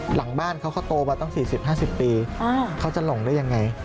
หลังบ้านเขาก็โตมาตั้ง๔๐๕๐ปีเขาจะหลงได้ยังไง